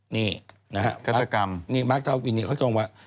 นี่นะครับมาร์คทาวินนิดนึงเขาตรงว่า